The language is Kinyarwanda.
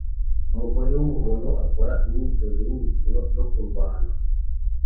Umugore wumuhondo akora imyitozo yimikino yo kurwana